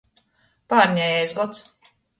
Pārnejais gods.